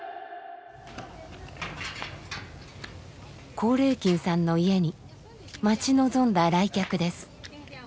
光礼金さんの家に待ち望んだ来客です。